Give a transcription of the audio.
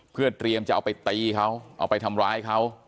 เพื่อเตรียมจะเอาไปตีเขาเอาไปทำร้ายเขา